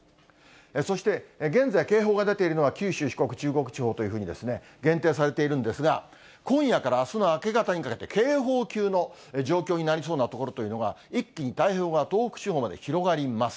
そして、現在、警報が出ているのは九州、四国、中国地方というふうに限定されているんですが、今夜からあすの明け方にかけて、警報級の状況になりそうな所というのが、一気に太平洋側、東北地方まで広がります。